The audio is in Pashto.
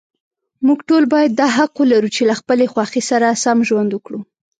موږ ټول باید دا حق ولرو، چې له خپلې خوښې سره سم ژوند وکړو.